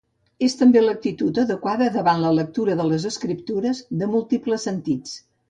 És també l'actitud adequada davant la lectura de les Escriptures, de múltiples sentits.